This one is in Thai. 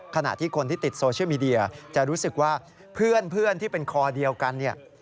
ขณะที่คนที่ติดโซเชียลมีเดียจะรู้สึกว่าเพื่อนที่เป็นคอเดียวกันเนี่ย